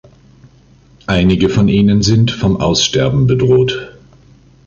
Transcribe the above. Einige von ihnen sind vom Aussterben bedroht.